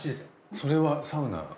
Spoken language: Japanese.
それはサウナで？